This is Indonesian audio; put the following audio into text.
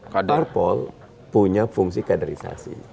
karpol punya fungsi kaderisasi